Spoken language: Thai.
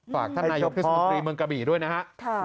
ฝากท่านนายกเทศมนตรีเมืองกระบี่ด้วยนะฮะ